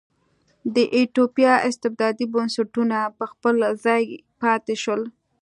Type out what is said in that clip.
د ایتوپیا استبدادي بنسټونه په خپل ځای پاتې شول.